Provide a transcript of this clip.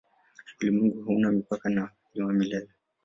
Ulimwengu hauna mipaka na ni wa milele.